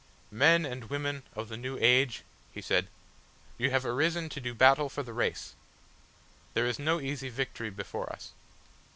"Men and women of the new age," he said; "you have arisen to do battle for the race!... There is no easy victory before us."